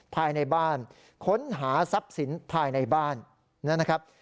ภายในบ้านค้นหาทรัพย์สินภายในบ้านนะครับ